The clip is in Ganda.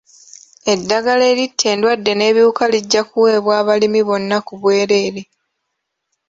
Eddagala eritta endwadde n'ebiwuka lijja kuweebwa abalimi bonna ku bwereere.